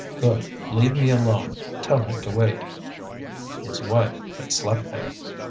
"Good! Leave me alone; tell him to wait." His wife had slept there!